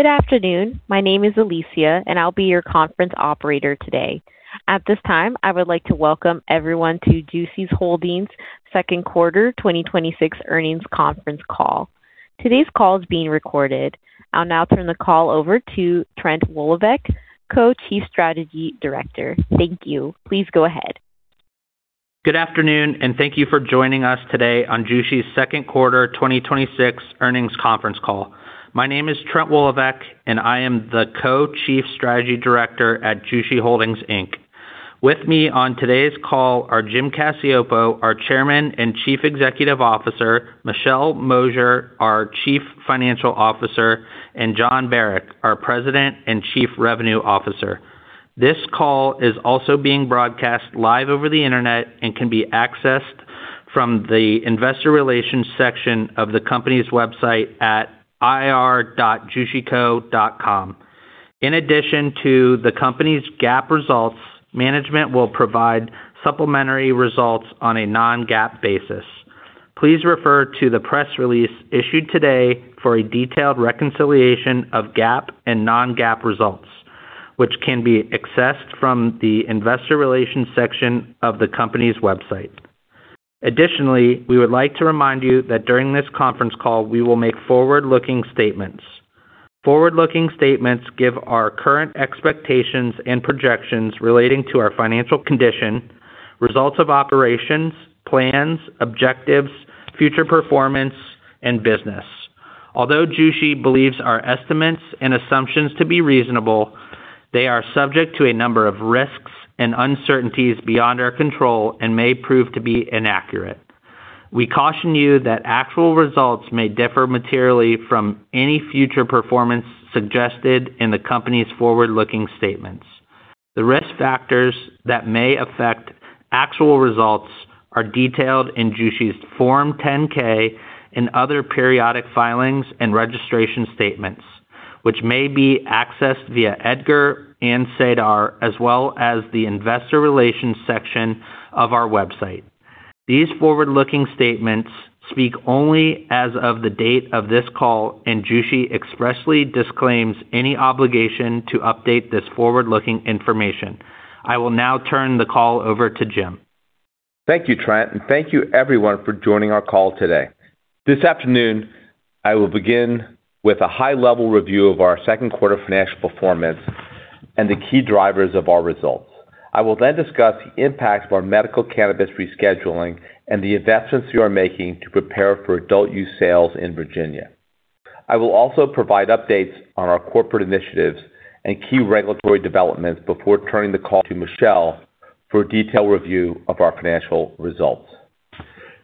Good afternoon. My name is Alicia, and I'll be your conference operator today. At this time, I would like to welcome everyone to Jushi Holdings' Second Quarter 2026 Earnings Conference Call. Today's call is being recorded. I'll now turn the call over to Trent Woloveck, Co-Chief Strategy Director. Thank you. Please go ahead. Good afternoon. Thank you for joining us today on Jushi's Second Quarter 2026 Earnings Conference Call. My name is Trent Woloveck, and I am the Co-Chief Strategy Director at Jushi Holdings Inc. With me on today's call are Jim Cacioppo, our Chairman and Chief Executive Officer, Michelle Mosier, our Chief Financial Officer, and Jon Barack, our President and Chief Revenue Officer. This call is also being broadcast live over the internet and can be accessed from the investor relations section of the company's website at ir.jushico.com. In addition to the company's GAAP results, management will provide supplementary results on a non-GAAP basis. Please refer to the press release issued today for a detailed reconciliation of GAAP and non-GAAP results, which can be accessed from the investor relations section of the company's website. Forward-looking statements give our current expectations and projections relating to our financial condition, results of operations, plans, objectives, future performance, and business. Although Jushi believes our estimates and assumptions to be reasonable, they are subject to a number of risks and uncertainties beyond our control and may prove to be inaccurate. We caution you that actual results may differ materially from any future performance suggested in the company's forward-looking statements. The risk factors that may affect actual results are detailed in Jushi's Form 10-K and other periodic filings and registration statements, which may be accessed via EDGAR and SEDAR, as well as the investor relations section of our website. These forward-looking statements speak only as of the date of this call, and Jushi expressly disclaims any obligation to update this forward-looking information. I will now turn the call over to Jim. Thank you, Trent. Thank you everyone for joining our call today. This afternoon, I will begin with a high-level review of our second quarter financial performance and the key drivers of our results. I will then discuss the impacts of our medical cannabis rescheduling and the investments we are making to prepare for adult use sales in Virginia. I will also provide updates on our corporate initiatives and key regulatory developments before turning the call to Michelle for a detailed review of our financial results.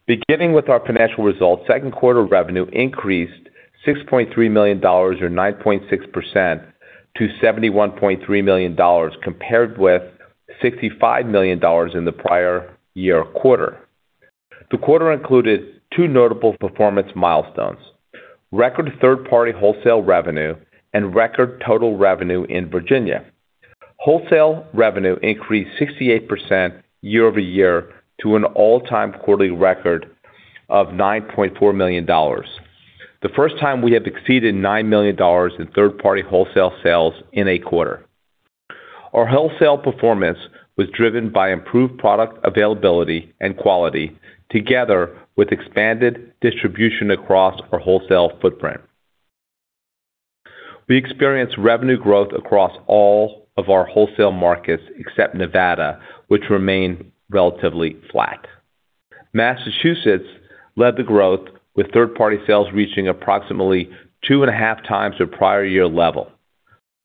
Beginning with our financial results, second quarter revenue increased $6.3 million, or 9.6%, to $71.3 million, compared with $65 million in the prior year quarter. The quarter included two notable performance milestones, record third-party wholesale revenue and record total revenue in Virginia. Wholesale revenue increased 68% year-over-year to an all-time quarterly record of $9.4 million. The first time we have exceeded $9 million in third-party wholesale sales in a quarter. Our wholesale performance was driven by improved product availability and quality, together with expanded distribution across our wholesale footprint. We experienced revenue growth across all of our wholesale markets except Nevada, which remained relatively flat. Massachusetts led the growth, with third-party sales reaching approximately two and a half times their prior year level.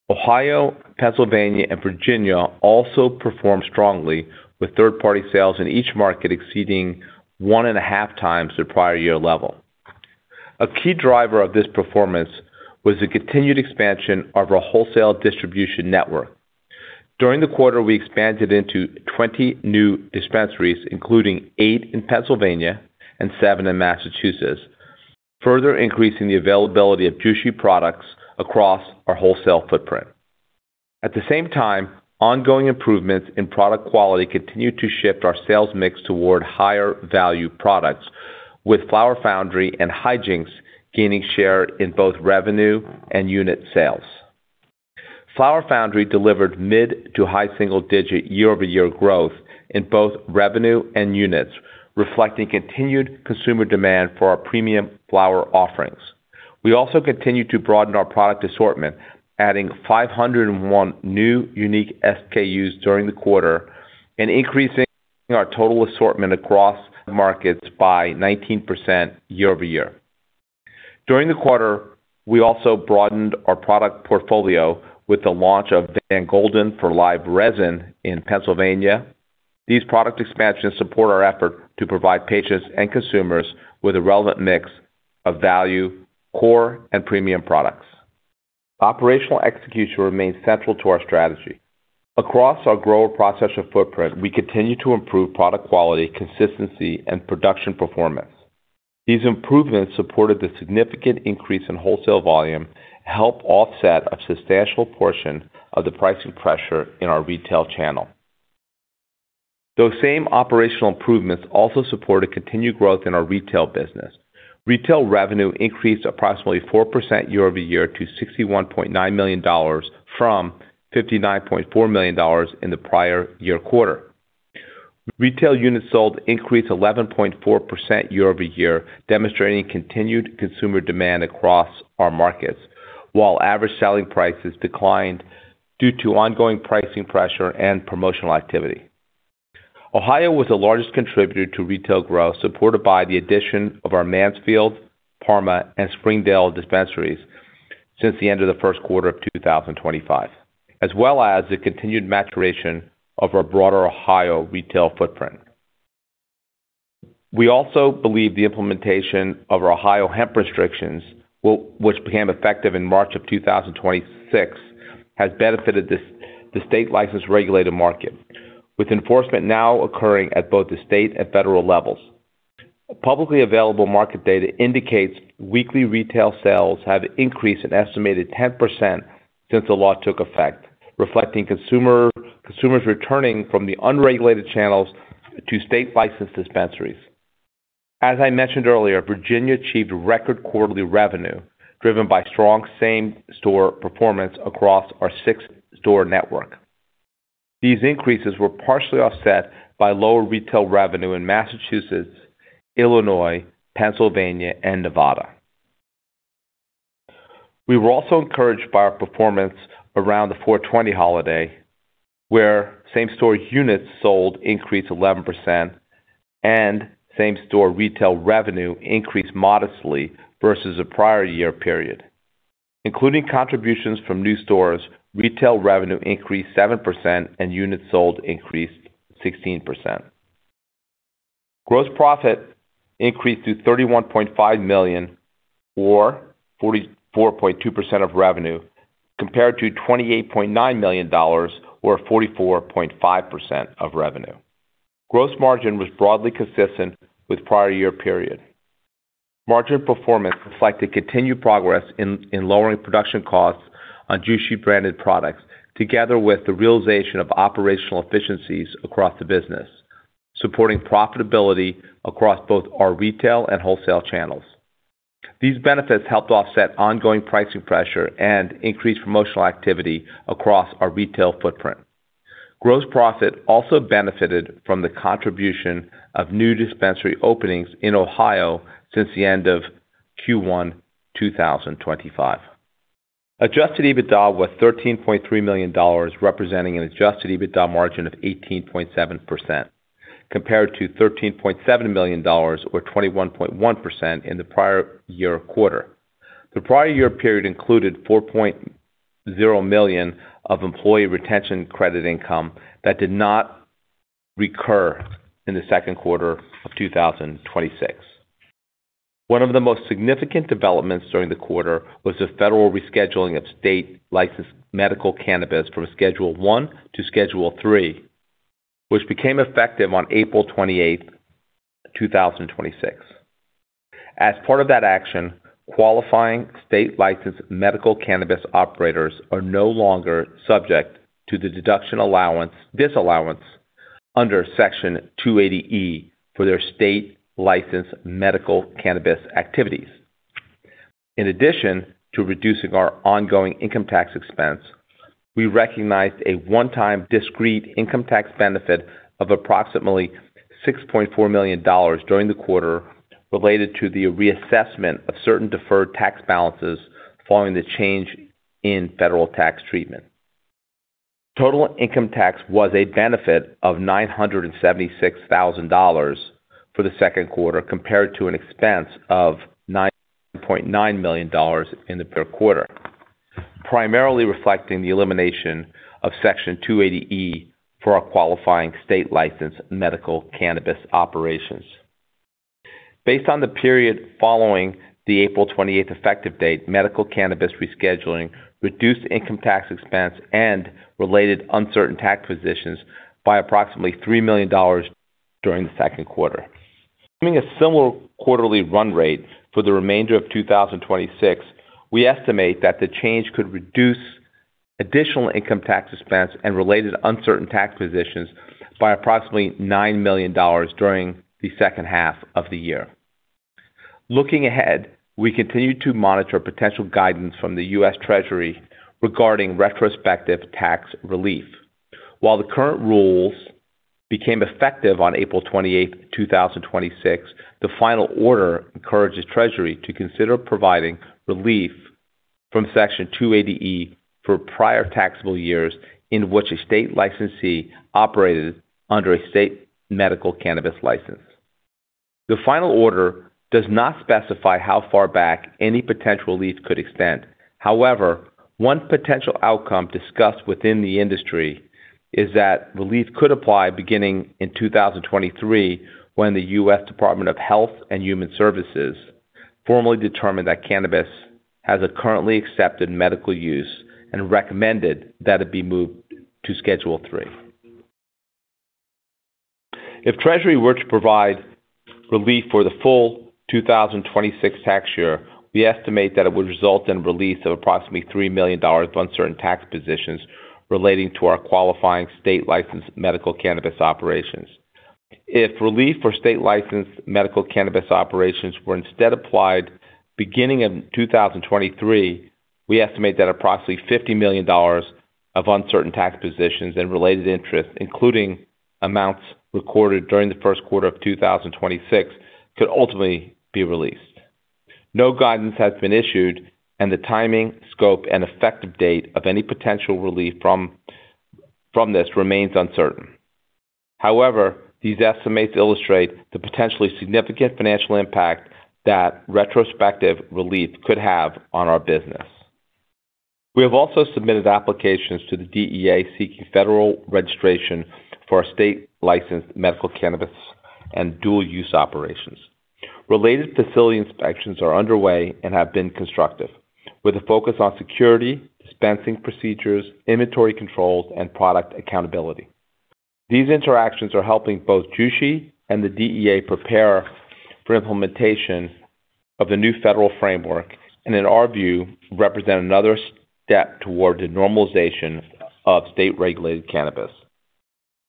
Ohio, Pennsylvania, and Virginia also performed strongly, with third-party sales in each market exceeding one and a half times their prior year level. A key driver of this performance was the continued expansion of our wholesale distribution network. During the quarter, we expanded into 20 new dispensaries, including eight in Pennsylvania and seven in Massachusetts, further increasing the availability of Jushi products across our wholesale footprint. At the same time, ongoing improvements in product quality continued to shift our sales mix toward higher value products, with Flower Foundry and Hijinx gaining share in both revenue and unit sales. Flower Foundry delivered mid to high single digit year-over-year growth in both revenue and units, reflecting continued consumer demand for our premium flower offerings. We also continued to broaden our product assortment, adding 501 new unique SKUs during the quarter and increasing our total assortment across markets by 19% year-over-year. During the quarter, we also broadened our product portfolio with the launch of Dan Golden for Live Resin in Pennsylvania. These product expansions support our effort to provide patients and consumers with a relevant mix of value, core, and premium products. Operational execution remains central to our strategy. Across our grower processor footprint, we continue to improve product quality, consistency, and production performance. These improvements supported the significant increase in wholesale volume, help offset a substantial portion of the pricing pressure in our retail channel. Those same operational improvements also supported continued growth in our retail business. Retail revenue increased approximately 4% year-over-year to $61.9 million from $59.4 million in the prior year quarter. Retail units sold increased 11.4% year-over-year, demonstrating continued consumer demand across our markets, while average selling prices declined due to ongoing pricing pressure and promotional activity. Ohio was the largest contributor to retail growth, supported by the addition of our Mansfield, Parma, and Springdale dispensaries since the end of the first quarter of 2025, as well as the continued maturation of our broader Ohio retail footprint. We also believe the implementation of our Ohio hemp restrictions, which became effective in March of 2026, has benefited the state-licensed regulated market, with enforcement now occurring at both the state and federal levels. Publicly available market data indicates weekly retail sales have increased an estimated 10% since the law took effect, reflecting consumers returning from the unregulated channels to state-licensed dispensaries. As I mentioned earlier, Virginia achieved record quarterly revenue driven by strong same-store performance across our six-store network. These increases were partially offset by lower retail revenue in Massachusetts, Illinois, Pennsylvania, and Nevada. We were also encouraged by our performance around the 420 holiday, where same-store units sold increased 11%, and same-store retail revenue increased modestly versus the prior year period. Including contributions from new stores, retail revenue increased 7%, and units sold increased 16%. Gross profit increased to $31.5 million, or 44.2% of revenue, compared to $28.9 million, or 44.5% of revenue. Gross margin was broadly consistent with prior year period. Margin performance reflected continued progress in lowering production costs on Jushi-branded products, together with the realization of operational efficiencies across the business, supporting profitability across both our retail and wholesale channels. These benefits helped offset ongoing pricing pressure and increased promotional activity across our retail footprint. Gross profit also benefited from the contribution of new dispensary openings in Ohio since the end of Q1 2025. Adjusted EBITDA was $13.3 million, representing an Adjusted EBITDA margin of 18.7%, compared to $13.7 million, or 21.1% in the prior year quarter. The prior year period included $4.0 million of employee retention credit income that did not recur in the second quarter of 2026. One of the most significant developments during the quarter was the federal rescheduling of state licensed medical cannabis from Schedule I to Schedule III, which became effective on April 28th, 2026. As part of that action, qualifying state licensed medical cannabis operators are no longer subject to the deduction disallowance under Section 280E for their state-licensed medical cannabis activities. In addition to reducing our ongoing income tax expense, we recognized a one-time discrete income tax benefit of approximately $6.4 million during the quarter related to the reassessment of certain deferred tax balances following the change in federal tax treatment. Total income tax was a benefit of $976,000 for the second quarter, compared to an expense of $9.9 million in the prior quarter, primarily reflecting the elimination of Section 280E for our qualifying state-licensed medical cannabis operations. Based on the period following the April 28th effective date, medical cannabis rescheduling reduced income tax expense and related uncertain tax positions by approximately $3 million during the second quarter. Assuming a similar quarterly run rate for the remainder of 2026, we estimate that the change could reduce additional income tax expense and related uncertain tax positions by approximately $9 million during the second half of the year. Looking ahead, we continue to monitor potential guidance from the U.S. Treasury regarding retrospective tax relief. While the current rules became effective on April 28th, 2026, the final order encourages Treasury to consider providing relief from Section 280E for prior taxable years in which a state licensee operated under a state medical cannabis license. The final order does not specify how far back any potential relief could extend. However, one potential outcome discussed within the industry is that relief could apply beginning in 2023, when the U.S. Department of Health and Human Services formally determined that cannabis has a currently accepted medical use and recommended that it be moved to Schedule III. If Treasury were to provide relief for the full 2026 tax year, we estimate that it would result in release of approximately $3 million of uncertain tax positions relating to our qualifying state licensed medical cannabis operations. If relief for state licensed medical cannabis operations were instead applied beginning in 2023, we estimate that approximately $50 million of uncertain tax positions and related interests, including amounts recorded during the first quarter of 2026, could ultimately be released. No guidance has been issued, and the timing, scope, and effective date of any potential relief from this remains uncertain. However, these estimates illustrate the potentially significant financial impact that retrospective relief could have on our business. We have also submitted applications to the DEA seeking federal registration for our state licensed medical cannabis and dual use operations. Related facility inspections are underway and have been constructive. With a focus on security, dispensing procedures, inventory controls, and product accountability. These interactions are helping both Jushi and the DEA prepare for implementation of the new federal framework, and in our view, represent another step toward the normalization of state-regulated cannabis.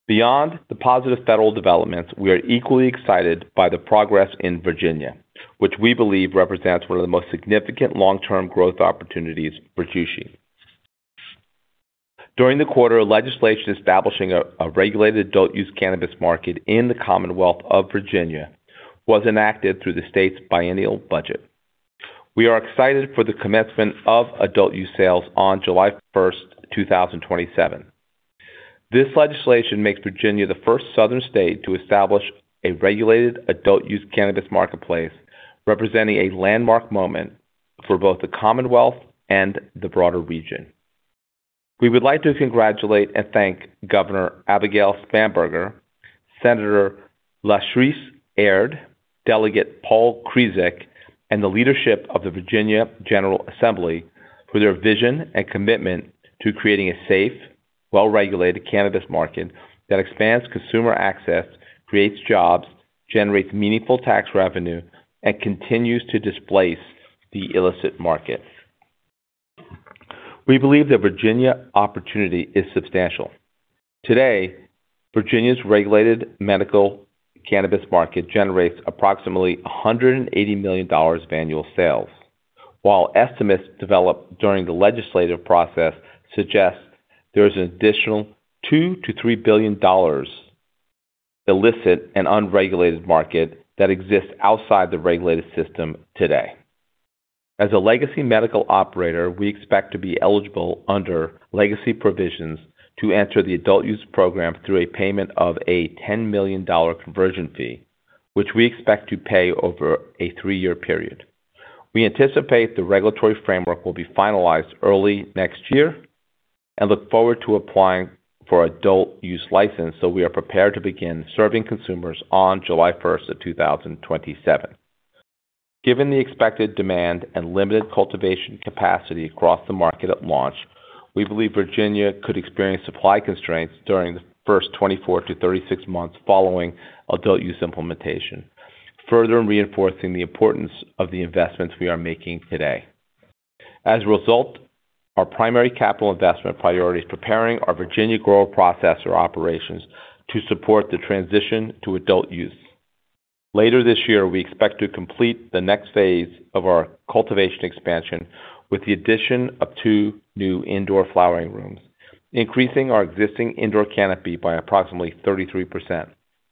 Beyond the positive federal developments, we are equally excited by the progress in Virginia, which we believe represents one of the most significant long-term growth opportunities for Jushi. During the quarter, legislation establishing a regulated adult use cannabis market in the Commonwealth of Virginia was enacted through the state's biennial budget. We are excited for the commencement of adult use sales on July 1st, 2027. This legislation makes Virginia the first southern state to establish a regulated adult use cannabis marketplace, representing a landmark moment for both the Commonwealth and the broader region. We would like to congratulate and thank Governor Abigail Spanberger, Senator Lashrecse Aird, Delegate Paul Krizek, and the leadership of the Virginia General Assembly for their vision and commitment to creating a safe, well-regulated cannabis market that expands consumer access, creates jobs, generates meaningful tax revenue, and continues to displace the illicit market. We believe the Virginia opportunity is substantial. Today, Virginia's regulated medical cannabis market generates approximately $180 million of annual sales. While estimates developed during the legislative process suggest there is an additional $2 billion to $3 billion illicit and unregulated market that exists outside the regulated system today. As a legacy medical operator, we expect to be eligible under legacy provisions to enter the adult use program through a payment of a $10 million conversion fee, which we expect to pay over a three-year period. We anticipate the regulatory framework will be finalized early next year and look forward to applying for adult use license, so we are prepared to begin serving consumers on July 1st of 2027. Given the expected demand and limited cultivation capacity across the market at launch, we believe Virginia could experience supply constraints during the first 24 to 36 months following adult use implementation, further reinforcing the importance of the investments we are making today. As a result, our primary capital investment priority is preparing our Virginia grower processor operations to support the transition to adult use. Later this year, we expect to complete the next phase of our cultivation expansion with the addition of two new indoor flowering rooms, increasing our existing indoor canopy by approximately 33%,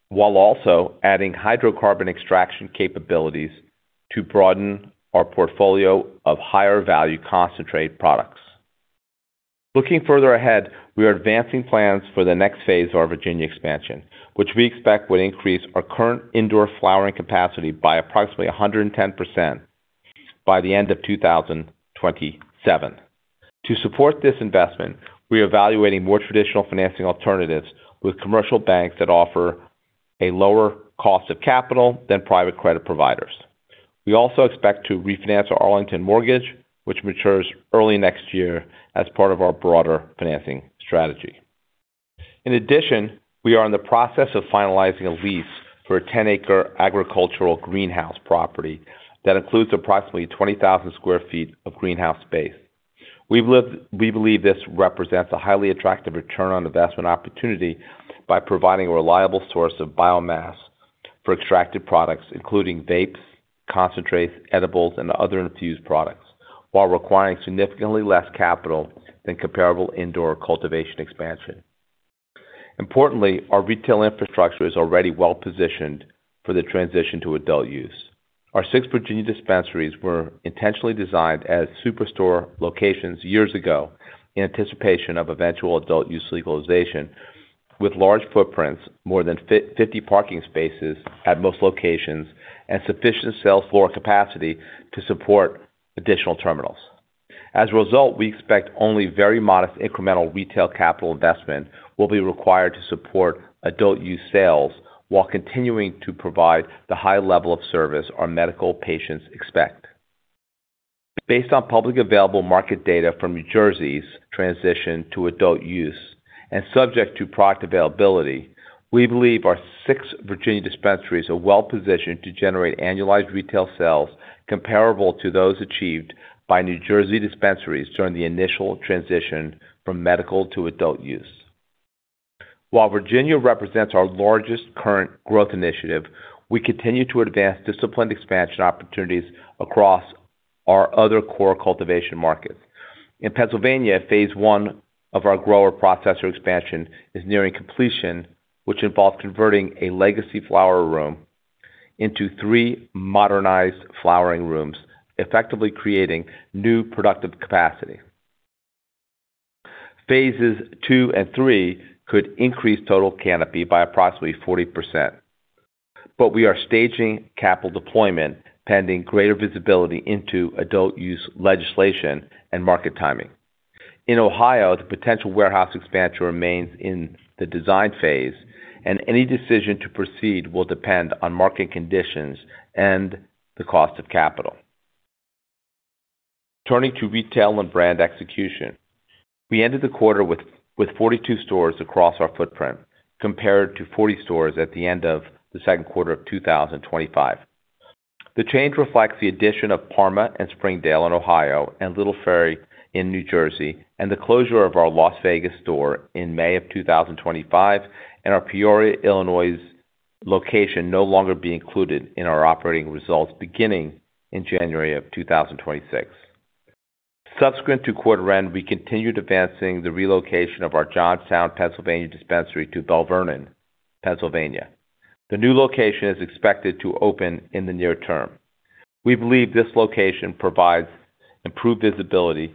while also adding hydrocarbon extraction capabilities to broaden our portfolio of higher value concentrate products. Looking further ahead, we are advancing plans for the next phase of our Virginia expansion, which we expect would increase our current indoor flowering capacity by approximately 110% by the end of 2027. To support this investment, we are evaluating more traditional financing alternatives with commercial banks that offer a lower cost of capital than private credit providers. We also expect to refinance our Arlington mortgage, which matures early next year as part of our broader financing strategy. In addition, we are in the process of finalizing a lease for a 10-acre agricultural greenhouse property that includes approximately 20,000 sq ft of greenhouse space. We believe this represents a highly attractive return on investment opportunity by providing a reliable source of biomass for extracted products including vapes, concentrates, edibles, and other infused products, while requiring significantly less capital than comparable indoor cultivation expansion. Importantly, our retail infrastructure is already well-positioned for the transition to adult use. Our six Virginia dispensaries were intentionally designed as superstore locations years ago in anticipation of eventual adult use legalization with large footprints, more than 50 parking spaces at most locations, and sufficient sales floor capacity to support additional terminals. As a result, we expect only very modest incremental retail capital investment will be required to support adult use sales while continuing to provide the high level of service our medical patients expect. Based on publicly available market data from New Jersey's transition to adult use and subject to product availability, we believe our six Virginia dispensaries are well-positioned to generate annualized retail sales comparable to those achieved by New Jersey dispensaries during the initial transition from medical to adult use. While Virginia represents our largest current growth initiative, we continue to advance disciplined expansion opportunities across our other core cultivation markets. In Pennsylvania, phase 1 of our grower processor expansion is nearing completion, which involves converting a legacy flower room into three modernized flowering rooms, effectively creating new productive capacity. Phases 2 and 3 could increase total canopy by approximately 40%, we are staging capital deployment pending greater visibility into adult use legislation and market timing. In Ohio, the potential warehouse expansion remains in the design phase, any decision to proceed will depend on market conditions and the cost of capital. Turning to retail and brand execution, we ended the quarter with 42 stores across our footprint, compared to 40 stores at the end of the second quarter of 2025. The change reflects the addition of Parma and Springdale in Ohio and Little Ferry in New Jersey, the closure of our Las Vegas store in May of 2025, and our Peoria, Illinois location no longer be included in our operating results beginning in January of 2026. Subsequent to quarter end, we continued advancing the relocation of our Johnstown, Pennsylvania dispensary to Belle Vernon, Pennsylvania. The new location is expected to open in the near term. We believe this location provides improved visibility,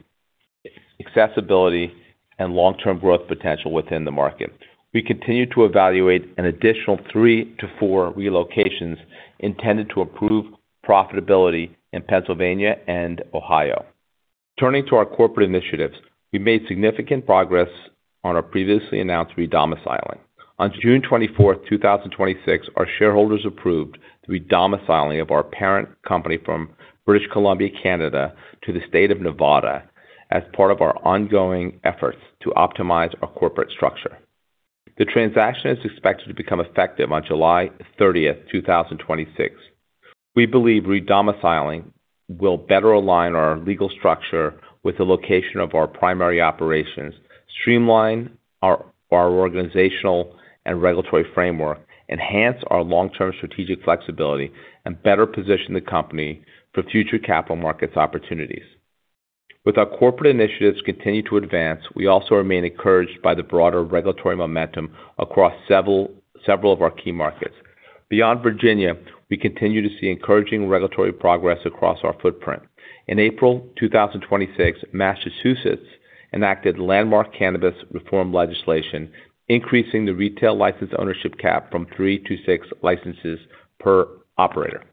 accessibility, and long-term growth potential within the market. We continue to evaluate an additional three to four relocations intended to improve profitability in Pennsylvania and Ohio. Turning to our corporate initiatives, we made significant progress on our previously announced redomiciling. On June 24th, 2026, our shareholders approved the redomiciling of our parent company from British Columbia, Canada, to the state of Nevada as part of our ongoing efforts to optimize our corporate structure. The transaction is expected to become effective on July 30th, 2026. We believe redomiciling will better align our legal structure with the location of our primary operations, streamline our organizational and regulatory framework, enhance our long-term strategic flexibility, and better position the company for future capital markets opportunities. With our corporate initiatives continue to advance, we also remain encouraged by the broader regulatory momentum across several of our key markets. Beyond Virginia, we continue to see encouraging regulatory progress across our footprint. In April 2026, Massachusetts enacted landmark cannabis reform legislation, increasing the retail license ownership cap from three to six licenses per operator.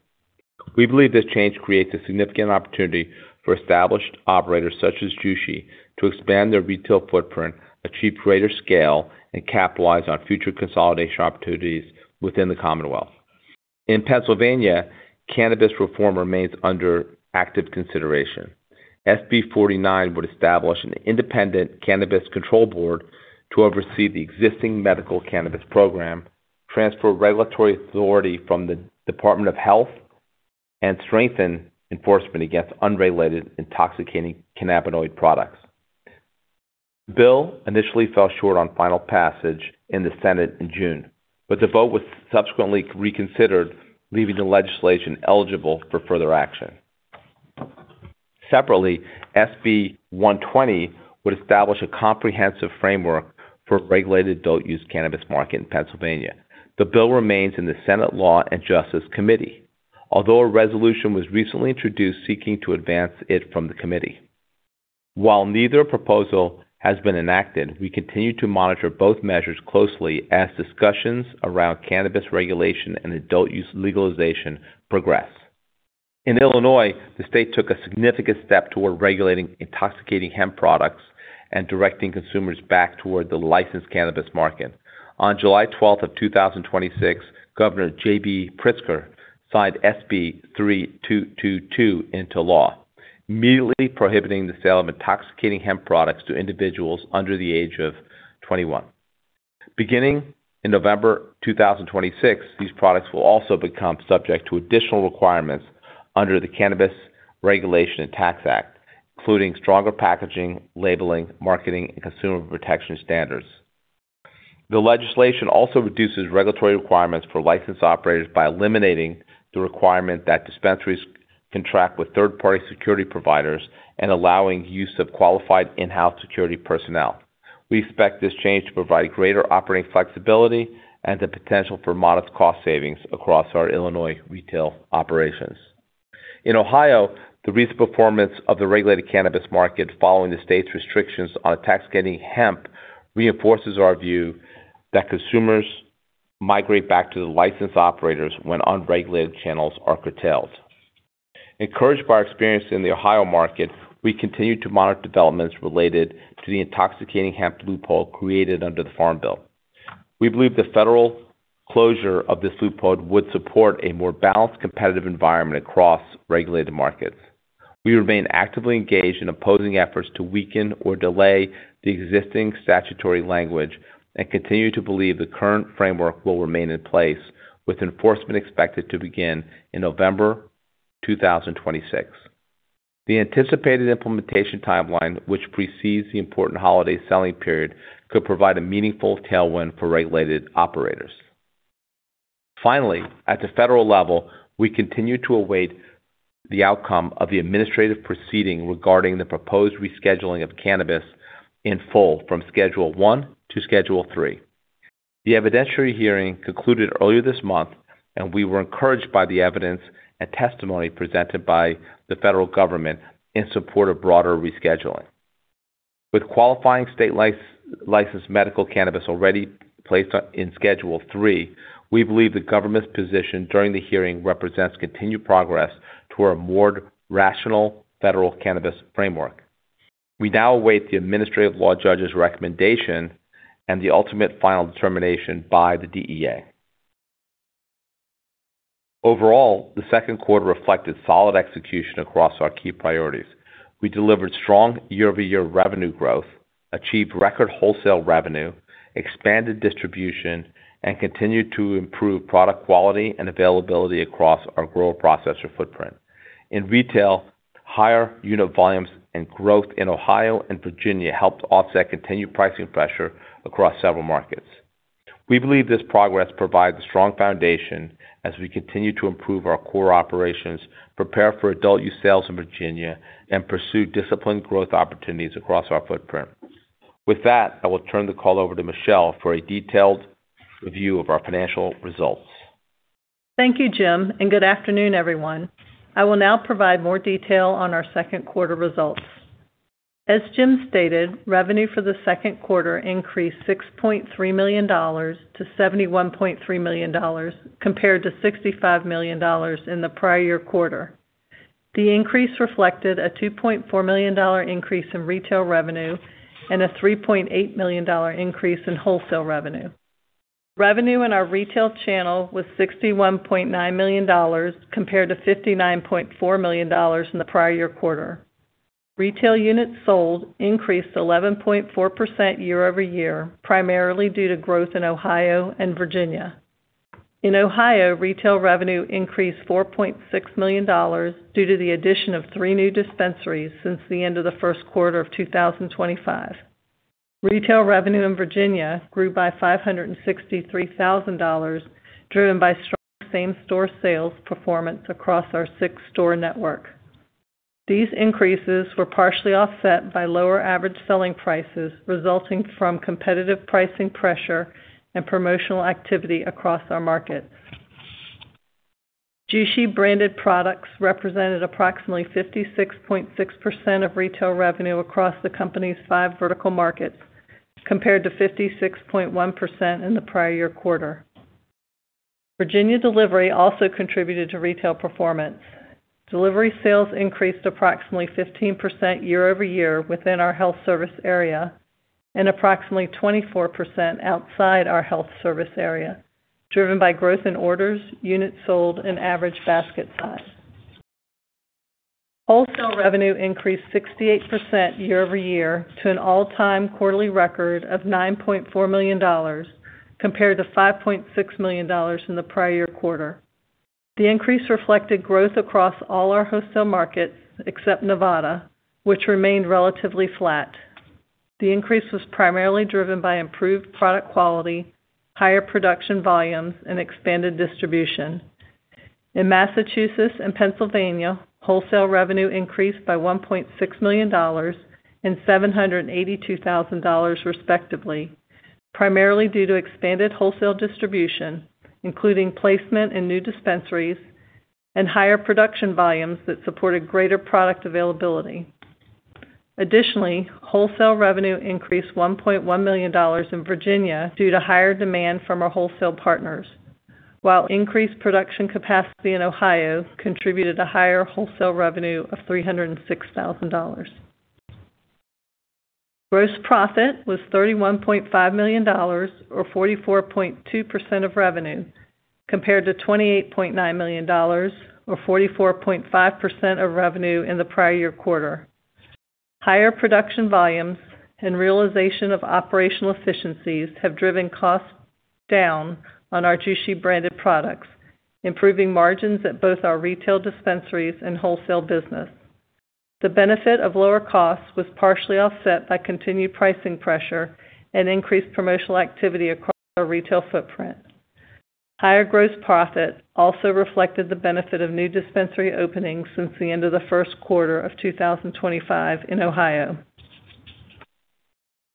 We believe this change creates a significant opportunity for established operators such as Jushi to expand their retail footprint, achieve greater scale, and capitalize on future consolidation opportunities within the Commonwealth. In Pennsylvania, cannabis reform remains under active consideration. SB 149 would establish an independent cannabis control board to oversee the existing medical cannabis program, transfer regulatory authority from the Department of Health, and strengthen enforcement against unregulated intoxicating cannabinoid products. The bill initially fell short on final passage in the Senate in June, but the vote was subsequently reconsidered, leaving the legislation eligible for further action. Separately, SB 120 would establish a comprehensive framework for a regulated adult-use cannabis market in Pennsylvania. The bill remains in the Senate Law and Justice Committee, although a resolution was recently introduced seeking to advance it from the committee. While neither proposal has been enacted, we continue to monitor both measures closely as discussions around cannabis regulation and adult-use legalization progress. In Illinois, the state took a significant step toward regulating intoxicating hemp products and directing consumers back toward the licensed cannabis market. On July 12th of 2026, Governor JB Pritzker signed SB 3222 into law, immediately prohibiting the sale of intoxicating hemp products to individuals under the age of 21. Beginning in November 2026, these products will also become subject to additional requirements under the Cannabis Regulation and Tax Act, including stronger packaging, labeling, marketing, and consumer protection standards. The legislation also reduces regulatory requirements for licensed operators by eliminating the requirement that dispensaries contract with third-party security providers and allowing use of qualified in-house security personnel. We expect this change to provide greater operating flexibility and the potential for modest cost savings across our Illinois retail operations. In Ohio, the recent performance of the regulated cannabis market following the state's restrictions on intoxicating hemp reinforces our view that consumers migrate back to the licensed operators when unregulated channels are curtailed. Encouraged by our experience in the Ohio market, we continue to monitor developments related to the intoxicating hemp loophole created under the Farm Bill. We believe the federal closure of this loophole would support a more balanced, competitive environment across regulated markets. We remain actively engaged in opposing efforts to weaken or delay the existing statutory language and continue to believe the current framework will remain in place, with enforcement expected to begin in November 2026. The anticipated implementation timeline, which precedes the important holiday selling period, could provide a meaningful tailwind for regulated operators. Finally, at the federal level, we continue to await the outcome of the administrative proceeding regarding the proposed rescheduling of cannabis in full from Schedule I to Schedule III. The evidentiary hearing concluded earlier this month, and we were encouraged by the evidence and testimony presented by the federal government in support of broader rescheduling. With qualifying state licensed medical cannabis already placed in Schedule III, we believe the government's position during the hearing represents continued progress to a more rational federal cannabis framework. We now await the administrative law judge's recommendation and the ultimate final determination by the DEA. Overall, the second quarter reflected solid execution across our key priorities. We delivered strong year-over-year revenue growth, achieved record wholesale revenue, expanded distribution, and continued to improve product quality and availability across our grow processor footprint. In retail, higher unit volumes and growth in Ohio and Virginia helped offset continued pricing pressure across several markets. We believe this progress provides a strong foundation as we continue to improve our core operations, prepare for adult use sales in Virginia, and pursue disciplined growth opportunities across our footprint. With that, I will turn the call over to Michelle for a detailed review of our financial results. Thank you, Jim, and good afternoon, everyone. I will now provide more detail on our second quarter results. As Jim stated, revenue for the second quarter increased $6.3 million to $71.3 million compared to $65 million in the prior year quarter. The increase reflected a $2.4 million increase in retail revenue and a $3.8 million increase in wholesale revenue. Revenue in our retail channel was $61.9 million compared to $59.4 million in the prior year quarter. Retail units sold increased 11.4% year-over-year, primarily due to growth in Ohio and Virginia. In Ohio, retail revenue increased $4.6 million due to the addition of three new dispensaries since the end of the first quarter of 2025. Retail revenue in Virginia grew by $563,000, driven by strong same-store sales performance across our six-store network. These increases were partially offset by lower average selling prices resulting from competitive pricing pressure and promotional activity across our markets. Jushi branded products represented approximately 56.6% of retail revenue across the company's five vertical markets, compared to 56.1% in the prior year quarter. Virginia delivery also contributed to retail performance. Delivery sales increased approximately 15% year-over-year within our health service area and approximately 24% outside our health service area, driven by growth in orders, units sold, and average basket size. Wholesale revenue increased 68% year-over-year to an all-time quarterly record of $9.4 million compared to $5.6 million in the prior year quarter. The increase reflected growth across all our wholesale markets except Nevada, which remained relatively flat. The increase was primarily driven by improved product quality, higher production volumes, and expanded distribution. In Massachusetts and Pennsylvania, wholesale revenue increased by $1.6 million and $782,000 respectively, primarily due to expanded wholesale distribution, including placement in new dispensaries and higher production volumes that supported greater product availability. Additionally, wholesale revenue increased $1.1 million in Virginia due to higher demand from our wholesale partners, while increased production capacity in Ohio contributed to higher wholesale revenue of $306,000. Gross profit was $31.5 million, or 44.2% of revenue, compared to $28.9 million, or 44.5% of revenue in the prior year quarter. Higher production volumes and realization of operational efficiencies have driven costs down on our Jushi branded products, improving margins at both our retail dispensaries and wholesale business. The benefit of lower costs was partially offset by continued pricing pressure and increased promotional activity across our retail footprint. Higher gross profit also reflected the benefit of new dispensary openings since the end of the first quarter of 2025 in Ohio.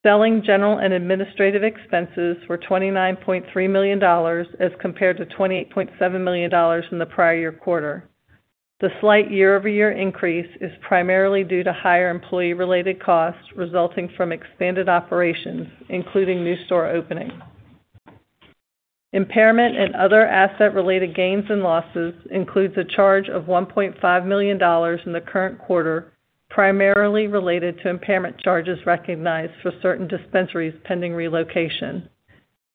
Selling, general and administrative expenses were $29.3 million as compared to $28.7 million in the prior year quarter. The slight year-over-year increase is primarily due to higher employee-related costs resulting from expanded operations, including new store openings. Impairment and other asset-related gains and losses includes a charge of $1.5 million in the current quarter, primarily related to impairment charges recognized for certain dispensaries pending relocation.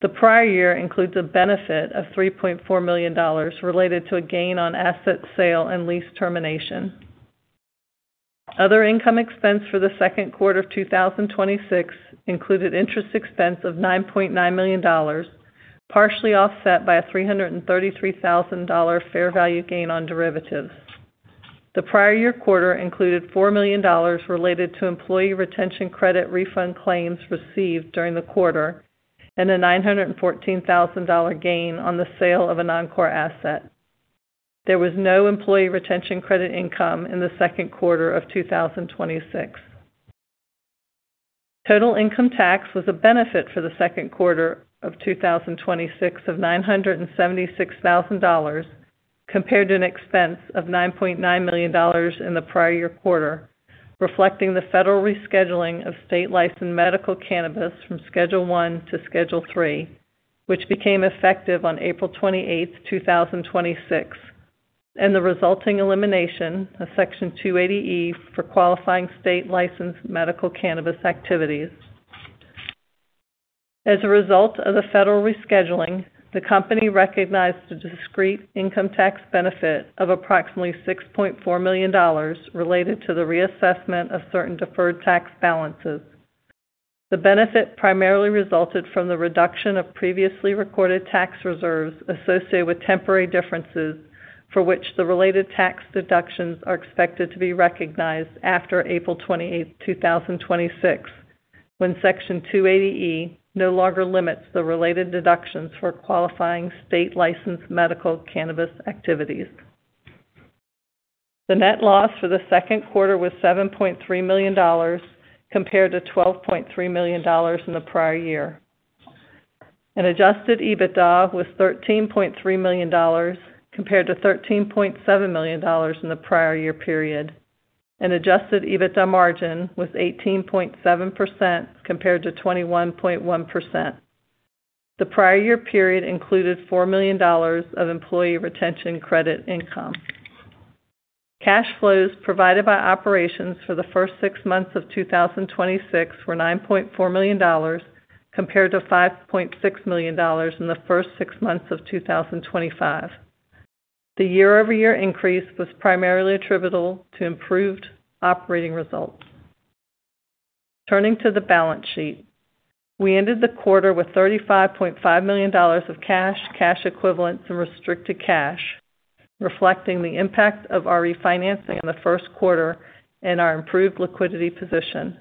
The prior year includes a benefit of $3.4 million related to a gain on asset sale and lease termination. Other income expense for the second quarter of 2026 included interest expense of $9.9 million, partially offset by a $333,000 fair value gain on derivatives. The prior year quarter included $4 million related to employee retention credit refund claims received during the quarter, and a $914,000 gain on the sale of a non-core asset. There was no employee retention credit income in the second quarter of 2026. Total income tax was a benefit for the second quarter of 2026 of $976,000, compared to an expense of $9.9 million in the prior year quarter, reflecting the federal rescheduling of state-licensed medical cannabis from Schedule I to Schedule III, which became effective on April 28th, 2026, and the resulting elimination of Section 280E for qualifying state-licensed medical cannabis activities. As a result of the federal rescheduling, the company recognized a discrete income tax benefit of approximately $6.4 million related to the reassessment of certain deferred tax balances. The benefit primarily resulted from the reduction of previously recorded tax reserves associated with temporary differences for which the related tax deductions are expected to be recognized after April 28th, 2026, when Section 280E no longer limits the related deductions for qualifying state-licensed medical cannabis activities. The net loss for the second quarter was $7.3 million, compared to $12.3 million in the prior year. Adjusted EBITDA was $13.3 million, compared to $13.7 million in the prior year period, and Adjusted EBITDA margin was 18.7% compared to 21.1%. The prior year period included $4 million of employee retention credit income. Cash flows provided by operations for the first six months of 2026 were $9.4 million, compared to $5.6 million in the first six months of 2025. The year-over-year increase was primarily attributable to improved operating results. Turning to the balance sheet, we ended the quarter with $35.5 million of cash equivalents, and restricted cash, reflecting the impact of our refinancing in the first quarter and our improved liquidity position.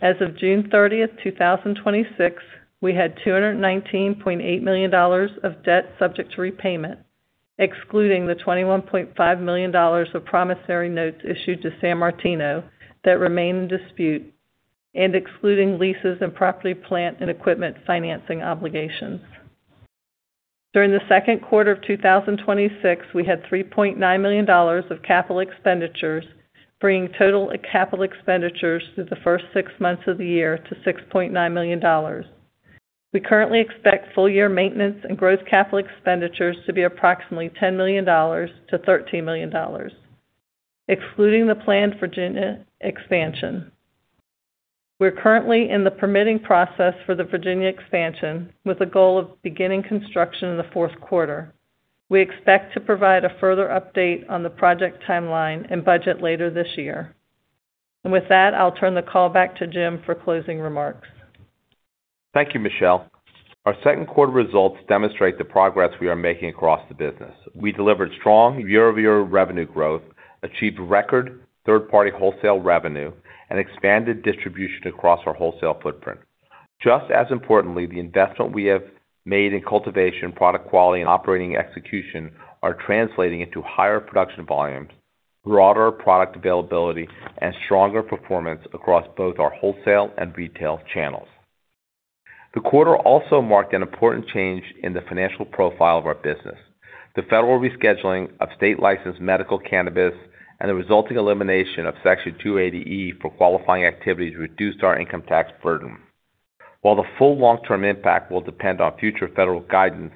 As of June 30th, 2026, we had $219.8 million of debt subject to repayment, excluding the $21.5 million of promissory notes issued to Sammartino that remain in dispute, and excluding leases and property, plant, and equipment financing obligations. During the second quarter of 2026, we had $3.9 million of capital expenditures, bringing total capital expenditures through the first six months of the year to $6.9 million. We currently expect full year maintenance and growth capital expenditures to be approximately $10 million-$13 million, excluding the planned Virginia expansion. We are currently in the permitting process for the Virginia expansion with a goal of beginning construction in the fourth quarter. We expect to provide a further update on the project timeline and budget later this year. With that, I'll turn the call back to Jim for closing remarks. Thank you, Michelle. Our second quarter results demonstrate the progress we are making across the business. We delivered strong year-over-year revenue growth, achieved record third-party wholesale revenue, and expanded distribution across our wholesale footprint. Just as importantly, the investment we have made in cultivation, product quality, and operating execution are translating into higher production volumes, broader product availability, and stronger performance across both our wholesale and retail channels. The quarter also marked an important change in the financial profile of our business. The federal rescheduling of state-licensed medical cannabis and the resulting elimination of Section 280E for qualifying activities reduced our income tax burden. While the full long-term impact will depend on future federal guidance,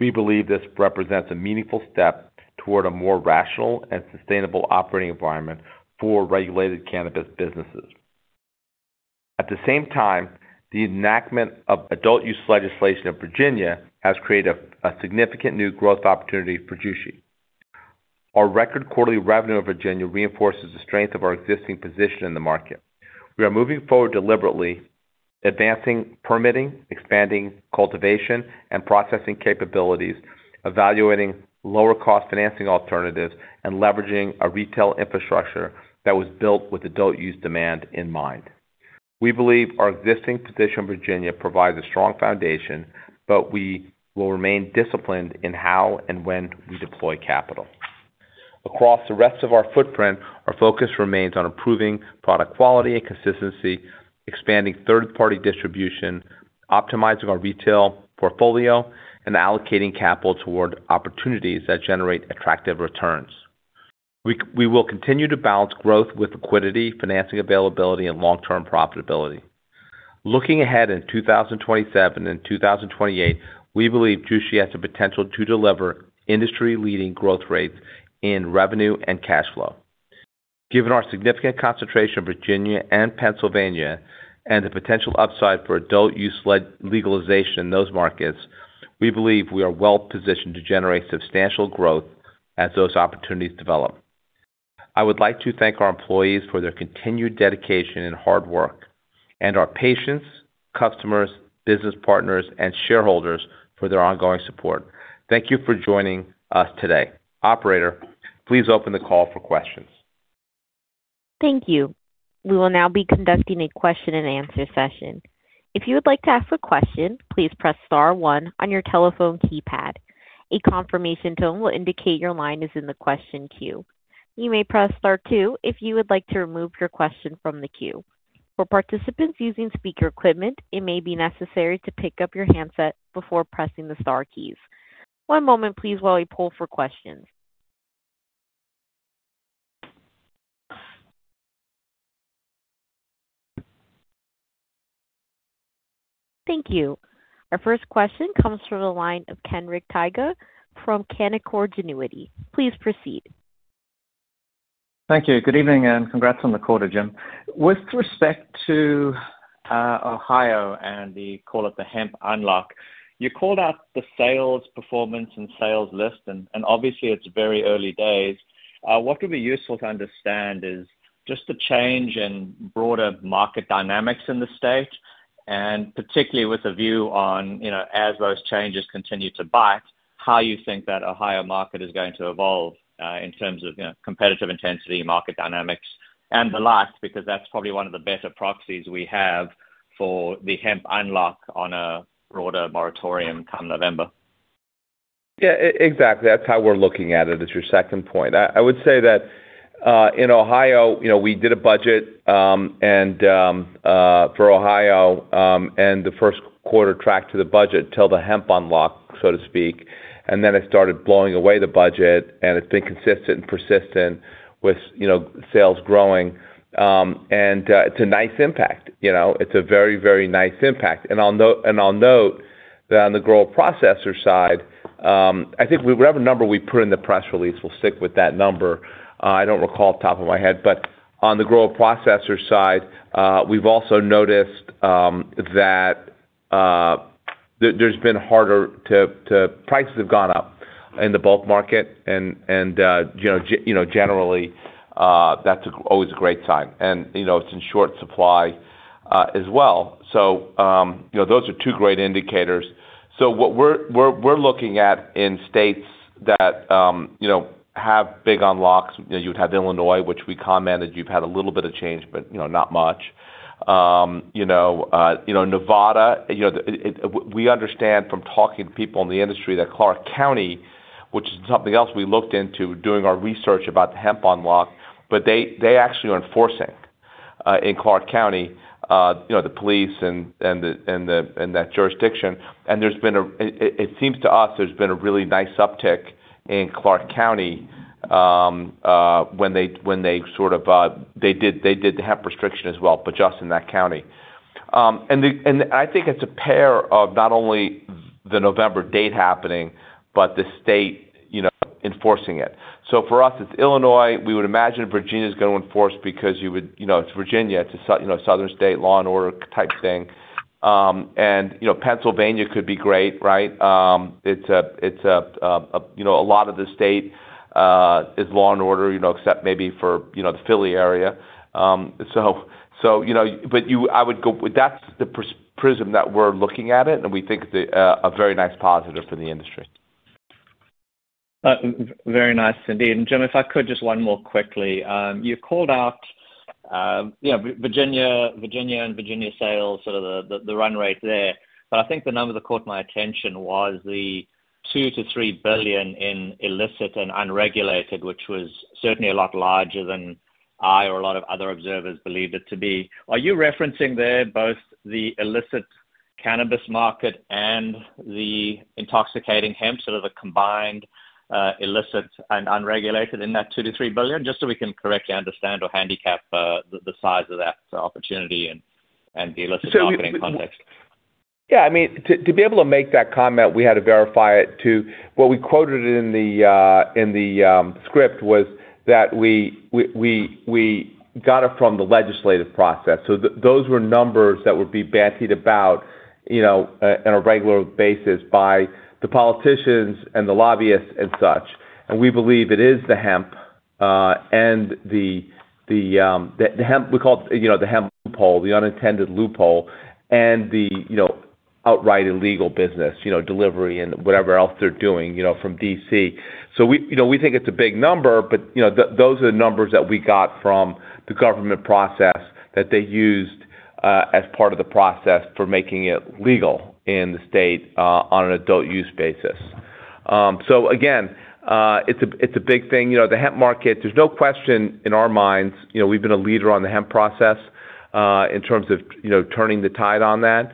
we believe this represents a meaningful step toward a more rational and sustainable operating environment for regulated cannabis businesses. At the same time, the enactment of adult use legislation in Virginia has created a significant new growth opportunity for Jushi. Our record quarterly revenue in Virginia reinforces the strength of our existing position in the market. We are moving forward deliberately, advancing permitting, expanding cultivation and processing capabilities, evaluating lower cost financing alternatives, and leveraging a retail infrastructure that was built with adult use demand in mind. We believe our existing position in Virginia provides a strong foundation, but we will remain disciplined in how and when we deploy capital. Across the rest of our footprint, our focus remains on improving product quality and consistency, expanding third-party distribution, optimizing our retail portfolio, and allocating capital toward opportunities that generate attractive returns. We will continue to balance growth with liquidity, financing availability, and long-term profitability. Looking ahead in 2027 and 2028, we believe Jushi has the potential to deliver industry-leading growth rates in revenue and cash flow. Given our significant concentration of Virginia and Pennsylvania and the potential upside for adult use legalization in those markets, we believe we are well-positioned to generate substantial growth as those opportunities develop. I would like to thank our employees for their continued dedication and hard work, and our patients, customers, business partners, and shareholders for their ongoing support. Thank you for joining us today. Operator, please open the call for questions. Thank you. We will now be conducting a question-and-answer session. If you would like to ask a question, please press star one on your telephone keypad. A confirmation tone will indicate your line is in the question queue. You may press star two if you would like to remove your question from the queue. For participants using speaker equipment, it may be necessary to pick up your handset before pressing the star keys. One moment please while we poll for questions. Thank you. Our first question comes from the line of Ken Tyghe from Canaccord Genuity. Please proceed. Thank you. Good evening. Congrats on the quarter, Jim. With respect to Ohio and the call it the hemp unlock, you called out the sales performance and sales list. Obviously, it's very early days. What would be useful to understand is just the change in broader market dynamics in the state, particularly with a view on, as those changes continue to bite, how you think that Ohio market is going to evolve, in terms of competitive intensity, market dynamics, the last, because that's probably one of the better proxies we have for the hemp unlock on a broader moratorium come November. Exactly. That's how we're looking at it, is your second point. I would say that, in Ohio, we did a budget. For Ohio, the first quarter tracked to the budget till the hemp unlock, so to speak. Then it started blowing away the budget. It's been consistent and persistent with sales growing. It's a nice impact. It's a very, very nice impact. I'll note that on the grow processor side, I think whatever number we put in the press release, we'll stick with that number. I don't recall off the top of my head, but on the grow processor side, we've also noticed that prices have gone up in the bulk market. Generally, that's always a great sign. It's in short supply as well. Those are two great indicators. What we're looking at in states that have big unlocks, you'd have Illinois, which we commented you've had a little bit of change, but not much. Nevada, we understand from talking to people in the industry that Clark County, which is something else we looked into doing our research about the hemp unlock, but they actually are enforcing, in Clark County, the police in that jurisdiction. It seems to us there's been a really nice uptick in Clark County, when they did the hemp restriction as well, but just in that county. I think it's a pair of not only the November date happening, but the state enforcing it. For us, it's Illinois. We would imagine Virginia's going to enforce because it's Virginia, it's a Southern state law and order type thing. Pennsylvania could be great, right? A lot of the state is law and order, except maybe for the Philly area. That's the prism that we're looking at it, and we think a very nice positive for the industry. Very nice, indeed. Jim, if I could, just one more quickly. You called out Virginia and Virginia sales, sort of the run rate there, but I think the number that caught my attention was the $2 billion-$3 billion in illicit and unregulated, which was certainly a lot larger than I or a lot of other observers believed it to be. Are you referencing there both the illicit cannabis market and the intoxicating hemp, sort of the combined illicit and unregulated in that $2 billion-$3 billion? Just so we can correctly understand or handicap the size of that opportunity and the illicit marketing context. Yeah, to be able to make that comment, we had to verify it to what we quoted it in the script was that we got it from the legislative process. Those were numbers that would be bandied about on a regular basis by the politicians and the lobbyists and such, and we believe it is the hemp and the hemp loophole, the unintended loophole and the outright illegal business, delivery and whatever else they're doing from D.C. We think it's a big number, but those are the numbers that we got from the government process that they used as part of the process for making it legal in the state on an adult use basis. Again, it's a big thing. The hemp market, there's no question in our minds. We've been a leader on the hemp process, in terms of turning the tide on that.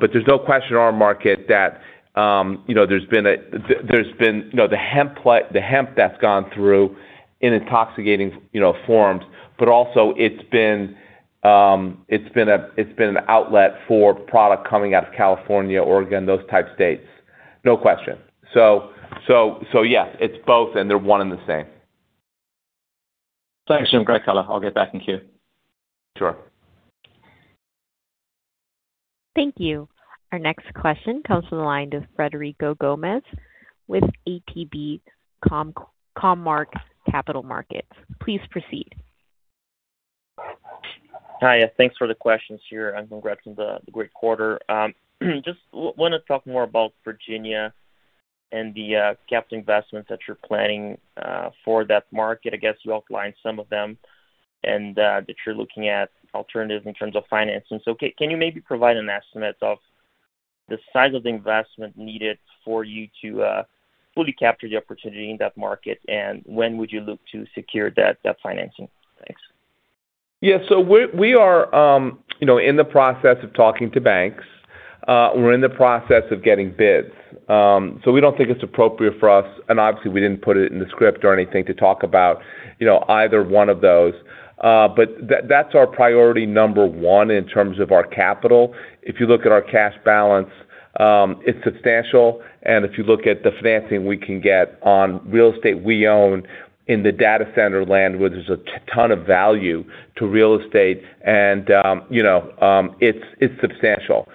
There's no question in our market that the hemp that's gone through in intoxicating forms, but also It's been an outlet for product coming out of California, Oregon, those type states. No question. Yes, it's both, and they're one and the same. Thanks, Jim. Great color. I'll get back in queue. Sure. Thank you. Our next question comes from the line of Frederico Gomes with ATB Capital Markets. Please proceed. Hi, thanks for the questions here and congrats on the great quarter. Just want to talk more about Virginia and the capital investments that you're planning for that market. I guess you outlined some of them and that you're looking at alternatives in terms of financing. Can you maybe provide an estimate of the size of the investment needed for you to fully capture the opportunity in that market? When would you look to secure that financing? Thanks. Yeah. We are in the process of talking to banks. We're in the process of getting bids. We don't think it's appropriate for us, and obviously we didn't put it in the script or anything to talk about either one of those. That's our priority number one in terms of our capital. If you look at our cash balance, it's substantial. If you look at the financing we can get on real estate we own in the data center land where there's a ton of value to real estate, and it's substantial.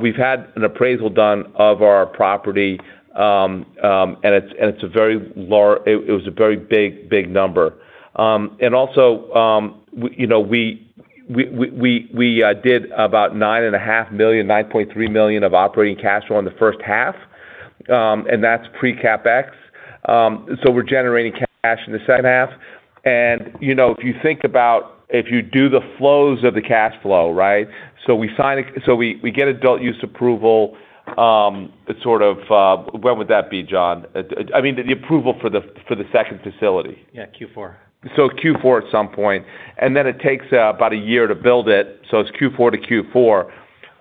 We've had an appraisal done of our property, and it was a very big number. Also, we did about $9.5 million, $9.3 million of operating cash flow in the first half, and that's pre CapEx. We're generating cash in the second half. If you think about if you do the flows of the cash flow, right? We get adult use approval, when would that be, Trent? I mean, the approval for the second facility. Yeah, Q4. Q4 at some point, then it takes about a year to build it. It's Q4 to Q4.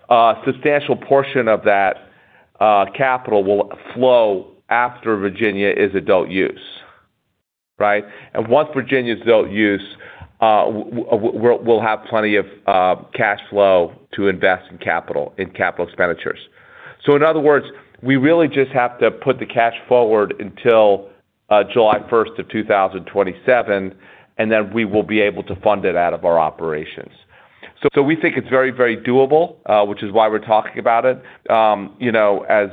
A substantial portion of that capital will flow after Virginia is adult use, right? Once Virginia is adult use, we'll have plenty of cash flow to invest in capital expenditures. In other words, we really just have to put the cash forward until July 1st of 2027, then we will be able to fund it out of our operations. We think it's very doable, which is why we're talking about it. As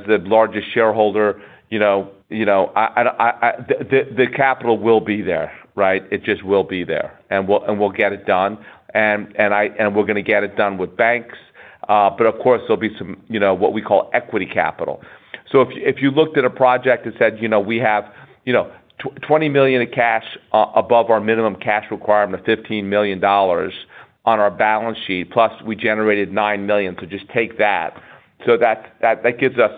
the largest shareholder, the capital will be there, right? It just will be there. We'll get it done, and we're going to get it done with banks. Of course, there'll be some what we call equity capital. If you looked at a project that said we have $20 million in cash above our minimum cash requirement of $15 million on our balance sheet, plus we generated $9 million. Just take that. That gives us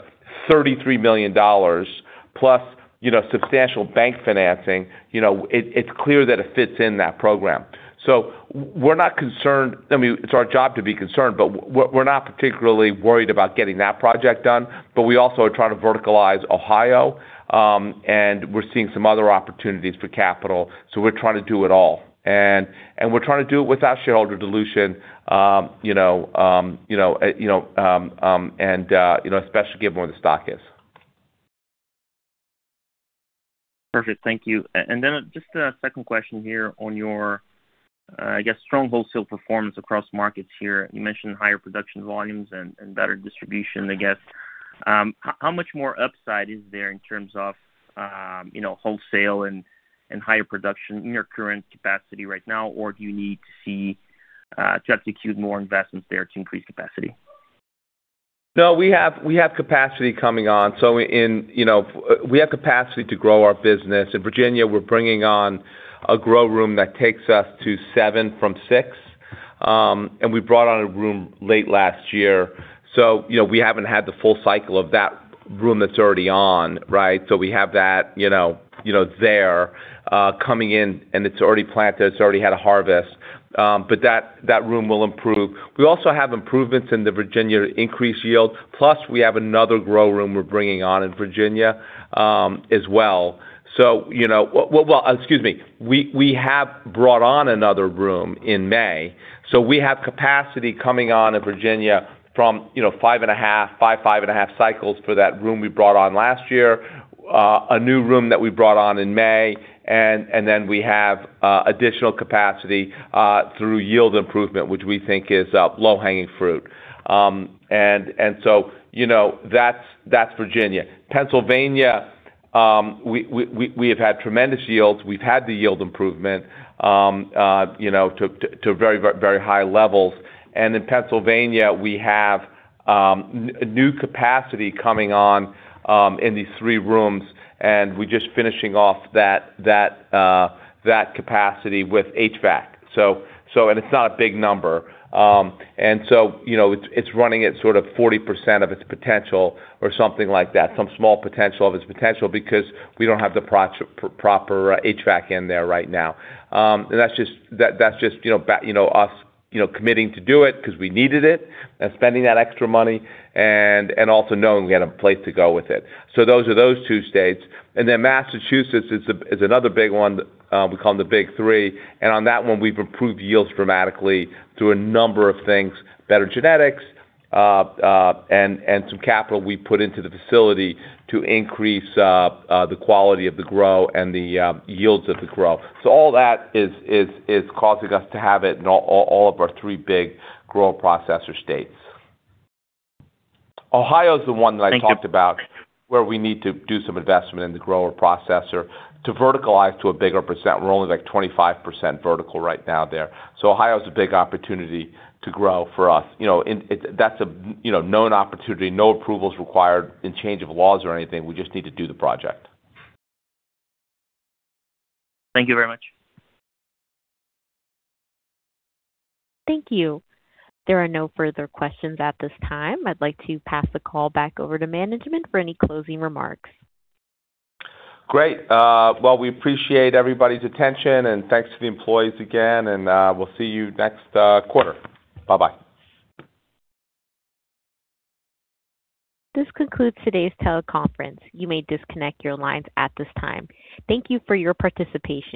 $33 million+ substantial bank financing. It's clear that it fits in that program. We're not concerned. I mean, it's our job to be concerned, but we're not particularly worried about getting that project done. We also are trying to verticalize Ohio, and we're seeing some other opportunities for capital. We're trying to do it all, and we're trying to do it without shareholder dilution, especially given where the stock is. Perfect. Thank you. Just a second question here on your, I guess, strong wholesale performance across markets here. You mentioned higher production volumes and better distribution, I guess. How much more upside is there in terms of wholesale and higher production in your current capacity right now? Or do you need to execute more investments there to increase capacity? No, we have capacity coming on. We have capacity to grow our business. In Virginia, we are bringing on a grow room that takes us to seven from six, and we brought on a room late last year. We haven't had the full cycle of that room that's already on, right? We have that there, coming in, and it's already planted. It's already had a harvest. That room will improve. We also have improvements in the Virginia increased yield, plus we have another grow room we are bringing on in Virginia as well. Well, excuse me. We have brought on another room in May, we have capacity coming on in Virginia from five and a half cycles for that room we brought on last year, a new room that we brought on in May, then we have additional capacity through yield improvement, which we think is low-hanging fruit. That's Virginia. Pennsylvania, we have had tremendous yields. We've had the yield improvement to very high levels. In Pennsylvania, we have new capacity coming on in these three rooms, and we are just finishing off that capacity with HVAC. It's not a big number. It's running at sort of 40% of its potential or something like that, some small potential of its potential, because we don't have the proper HVAC in there right now. That's just us committing to do it because we needed it and spending that extra money and also knowing we had a place to go with it. Those are those two states. Massachusetts is another big one. We call them the big three. On that one, we've improved yields dramatically through a number of things, better genetics, and some capital we put into the facility to increase the quality of the grow and the yields of the grow. All that is causing us to have it in all of our three big grow processor states. Ohio is the one that I talked about where we need to do some investment in the grower processor to verticalize to a bigger percent. We're only like 25% vertical right now there. Ohio is a big opportunity to grow for us. That's a known opportunity. No approvals required in change of laws or anything. We just need to do the project. Thank you very much. Thank you. There are no further questions at this time. I'd like to pass the call back over to management for any closing remarks. Great. Well, we appreciate everybody's attention, and thanks to the employees again, and we'll see you next quarter. Bye-bye. This concludes today's teleconference. You may disconnect your lines at this time. Thank you for your participation.